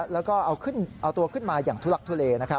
แล้วก็เอาตัวขึ้นมาอย่างทุลักทุเล